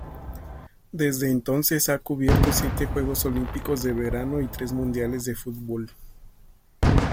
Desde entonces ha cubierto siete Juegos Olímpicos de verano y tres Mundiales de fútbol.